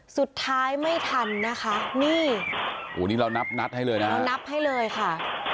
สุดท้ายไม่ทันนะคะนี่โอ้โหนี่เรานับนัดให้เลยนะเรานับให้เลยค่ะ